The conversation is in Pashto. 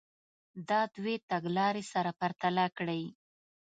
دا دوې تګ لارې سره پرتله کړئ.